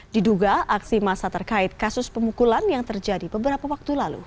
diduga aksi masa terkait kasus pemukulan yang terjadi beberapa waktu lalu